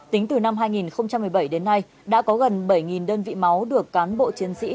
tính từ năm hai nghìn một mươi bảy đến nay đã có gần bảy đơn vị máu được cán bộ chiến sĩ